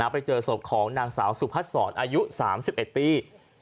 ไปเจอศพของนางสาวสุพัฒนศรอายุ๓๑ปี